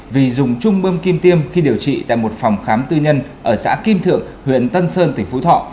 vì dùng chung bơm kim tiêm khi điều trị tại một phòng khám tư nhân ở xã kim thượng huyện tân sơn tỉnh phú thọ